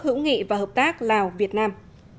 hữu nghị và hợp tác lào việt nam